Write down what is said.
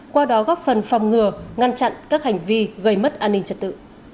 qua đó góp phần phòng ngừa ngăn chặn các hành vi gây mất an ninh trật tự